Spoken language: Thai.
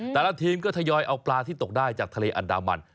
แต่ละทีมก็ทยอยเอาปลาที่ตกได้จากทะเลอันดามัน